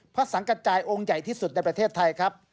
พระสังกระจายองค์ใหญ่ที่สุดในประเทศไทยครับ